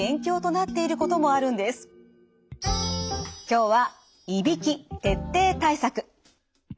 今日はいびき徹底対策。